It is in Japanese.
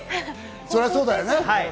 そりゃそうだよね。